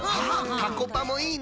たこパもいいね。